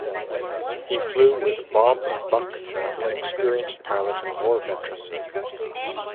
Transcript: He flew with Bob Buck, an experienced pilot and war veteran.